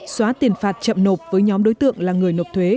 xóa tiền phạt chậm nộp với nhóm đối tượng là người nộp thuế